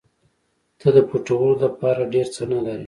ته د پټولو دپاره ډېر څه نه لرې.